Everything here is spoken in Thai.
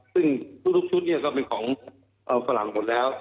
ซึ่งทุกชุดก็เป็นของฝรั่งหมดแล้ว